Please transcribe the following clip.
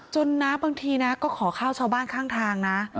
นะบางทีนะก็ขอข้าวชาวบ้านข้างทางนะ